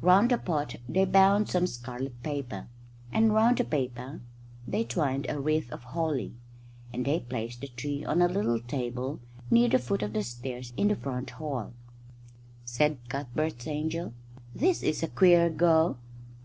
Round the pot they bound some scarlet paper, and round the paper they twined a wreath of holly; and they placed the tree on a little table near the foot of the stairs in the front hall. Said Cuthbert's angel, "This is a queer go."